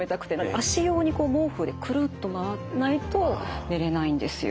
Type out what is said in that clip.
足用に毛布でくるっと巻かないと寝れないんですよ。